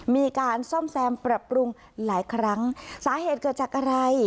มีการซ่อมแซมปรับปรุงหลายครั้งสาเหตุเกิดจากอะไร